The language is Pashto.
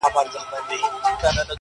لا یې پخوا دي ورځي سختي نوري٫